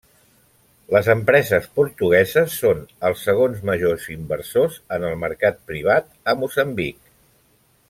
Les empreses portugueses són els segons majors inversors en el mercat privat a Moçambic.